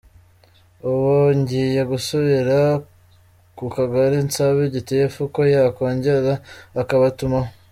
Ubu ngiye gusubira ku Kagari nsabe Gitifu ko yakongera akabatumaho.